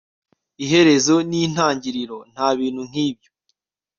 Iherezo nintangiriro nta bintu nkibyo